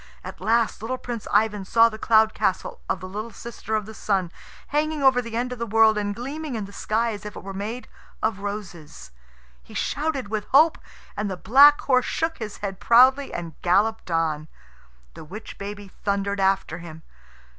At last little Prince Ivan saw the cloud castle of the little sister of the Sun, hanging over the end of the world and gleaming in the sky as if it were made of roses. He shouted with hope, and the black horse shook his head proudly and galloped on. The witch baby thundered after him.